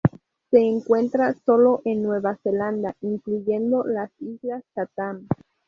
Se encuentra sólo en Nueva Zelanda, incluyendo las Islas Chatham.